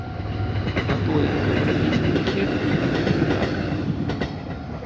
На тое, каб рабіць брыкет, ён не прыдатны.